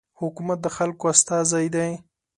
حکومت د خلکو استازی دی.